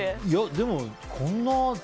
でも、こんな。